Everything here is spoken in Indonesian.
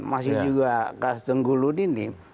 masih juga kasteng guludin